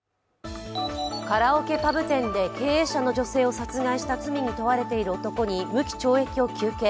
カラオケパブ店で、経営者の女性を、殺害した罪に問われている男に無期懲役を求刑。